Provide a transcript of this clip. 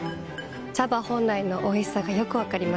茶葉本来のおいしさがよく分かります。